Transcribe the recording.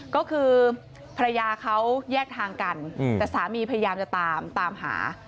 ก็คือภรรยาเขาแยกทางกันแต่สามีพยายามจะตามตามหา